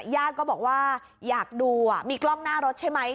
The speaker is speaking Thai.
ญาติก็บอกว่าอยากดูมีกล้องหน้ารถใช่ไหม